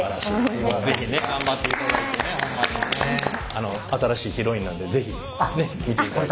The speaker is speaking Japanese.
あの新しいヒロインなんで是非ね見ていただいて。